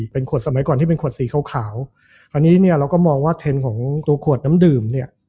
เป็นขวดสมัยก่อนที่เป็นขวดสีขาวคราวนี้เนี่ยเราก็มองว่าเทรนด์ของตัวขวดน้ำดื่มเนี่ย